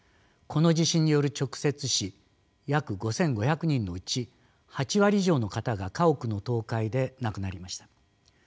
この地震による直接死約５，５００人のうち８割以上の方が家屋の倒壊で亡くなりました。